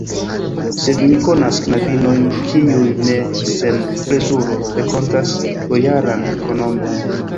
Sed mi konas knabinojn, kiuj ne sen plezuro renkontas bojaran ekonomon.